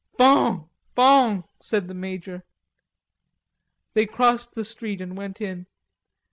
"Bon, bon," said the major. They crossed the street and went in.